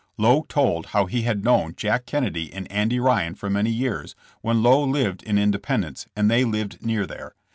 Lowe told how he had known Jack Ken nedy and Andy Ryan for many years when Lowe lived in Independence, and they lived near there.